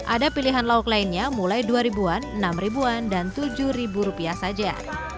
ada pilihan lauk lainnya mulai dua an enam an dan tujuh rupiah saja